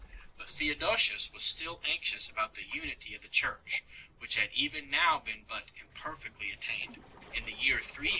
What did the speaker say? But Theodosius was still anxious about the unity of the Church, which had even now been but imperfectly Theodoret, H.